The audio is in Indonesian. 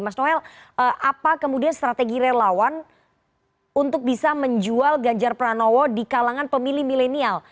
mas noel apa kemudian strategi relawan untuk bisa menjual ganjar pranowo di kalangan pemilih milenial